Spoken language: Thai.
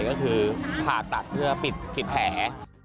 ก็คือผ่าตัดเพื่อปิดแผล